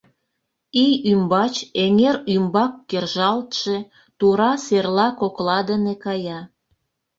ий ӱмбач эҥер ӱмбак кержалтше тура серла кокла дене кая.